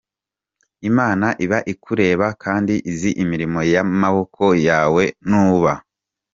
Imana iba ikureba kandi izi imirimo yamaboko yawe, nuba.